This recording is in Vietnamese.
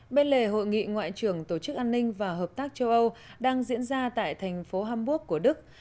bên lề hội nghị ngoại trưởng tổ chức an ninh và hợp tác châu âu đang diễn ra tại thành phố hamburg của đức